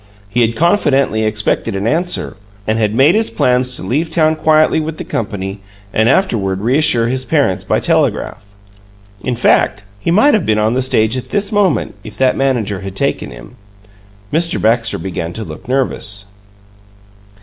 He had confidently expected an answer, and had made his plans to leave town quietly with the company and afterward reassure his parents by telegraph. In fact, he might have been on the stage at this moment, if that manager had taken him. Mr. Baxter began to look nervous.